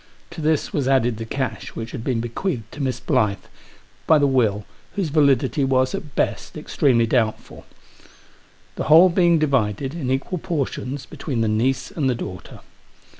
To this was added the cash which had been bequeathed to Miss Blyth by the will whose validity was, at best, extremely doubtful ; the whole being divided, in equal portions, between the niece and the daughter.